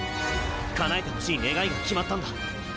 叶えてほしい願いが決まったんだ。